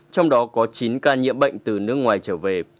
trong đó có chín ca nhiễm bệnh từ nước ngoài trở về